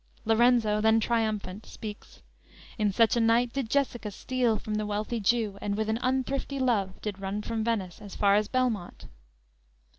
"_ Lorenzo then triumphant speaks: _"In such a night Did Jessica steal from the wealthy Jew; And with an unthrifty love did run from Venice, As far as Belmont."